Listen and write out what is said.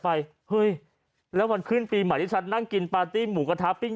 ไปเฮ้ยแล้ววันขึ้นปีใหม่ที่ฉันนั่งกินปาร์ตี้หมูกระทะปิ้ง